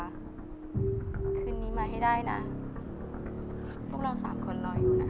คืนนี้มาให้ได้นะพวกเราสามคนรออยู่น่ะ